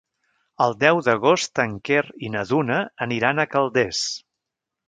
El deu d'agost en Quer i na Duna aniran a Calders.